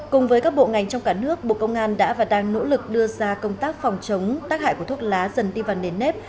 cùng với các bộ ngành trong cả nước bộ công an đã và đang nỗ lực đưa ra công tác phòng chống tác hại của thuốc lá dần đi vào nền nếp